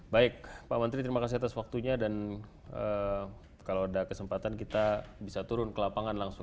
baik pak menteri terima kasih atas waktunya dan kalau ada kesempatan kita bisa turun ke lapangan langsung